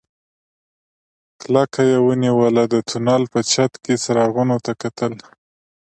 کلکه يې ونيوله د تونل په چت کې څراغونو ته کتل.